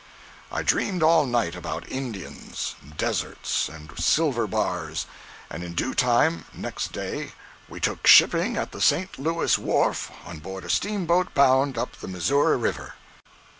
I dreamed all night about Indians, deserts, and silver bars, and in due time, next day, we took shipping at the St. Louis wharf on board a steamboat bound up the Missouri River.